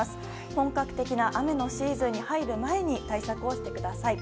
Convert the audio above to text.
本格的な雨のシーズンに入る前に対策をしてください。